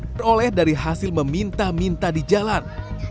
peroleh dari hasil meminta minta di jalan